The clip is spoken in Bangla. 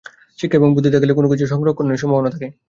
শিক্ষা এবং বুদ্ধি থাকিলেই কোন কিছুর সংরক্ষণের সম্ভাবনা থাকে।